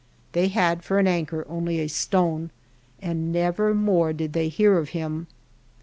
They had for an anchor only a stone, and never more did they hear of him.